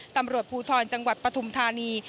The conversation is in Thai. ตำรวจภูทรจังหวัดปฐุมธานี